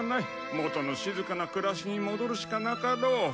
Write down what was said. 元の静かな暮らしに戻るしかなかろう。